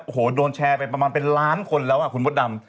โอ้โหโดนแชร์ไปประมาณเป็นล้านคนแล้วอ่ะคุณมดดำ